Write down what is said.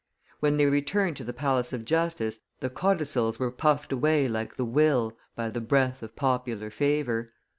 When they returned to the Palace of Justice the codicils were puffed away like the will by the breath of popular favor.